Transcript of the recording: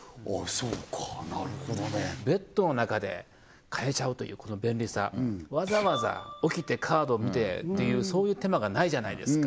そうかなるほどねベッドの中で買えちゃうというこの便利さわざわざ起きてカード見てっていうそういう手間がないじゃないですか